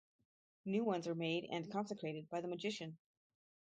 New ones are made and consecrated by the magician.